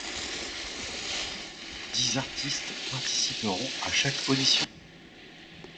Dix artistes participeront à chaque audition.